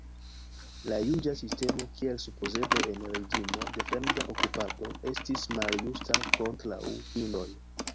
La juĝa sistemo, kiel supozeble en reĝimo de fremda okupado, estis maljusta kontraŭ hindoj.